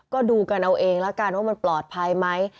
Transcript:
ก็ดูกันเอาเองแล้วกันว่ามันปลอดภัยไหม